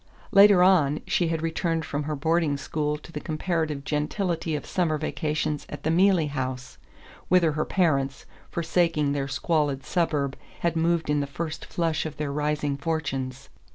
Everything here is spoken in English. Later on, she had returned from her boarding school to the comparative gentility of summer vacations at the Mealey House, whither her parents, forsaking their squalid suburb, had moved in the first flush of their rising fortunes.